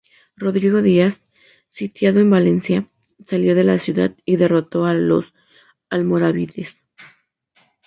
Rodrigo Díaz, sitiado en Valencia, salió de la ciudad y derrotó a los almorávides.